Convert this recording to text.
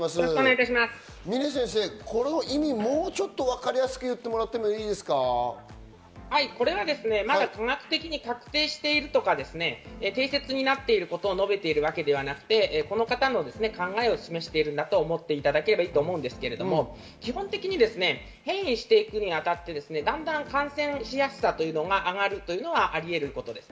この意味もうちょっとわかりこれは科学的に確定しているとか、定説になっていることを述べているわけではなくて、この方の考えを示しているんだと思っていただければいいと思うんですけど、基本的に変異していくにあたって、だんだん感染しやすさというのが上がるというのはありえることです。